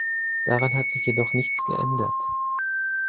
Daran hat sich jedoch nichts geändert.